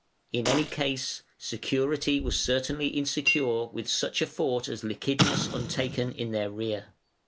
In any case, security was certainly insecure with such a fort as Lychnidus untaken in their rear.